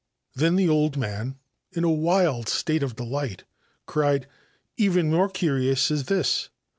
Then the old man, in a wild state of delight, crii * Even more curious is this.